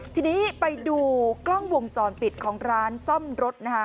ทีนี้ไปดูกล้องวงจรปิดของร้านซ่อมรถนะคะ